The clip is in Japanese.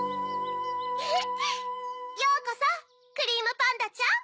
えへっようこそクリームパンダちゃん。